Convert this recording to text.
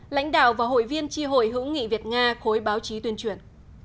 lãnh đạo và hội viên tri hội hữu nghị việt nga khối báo chí tuyên truyền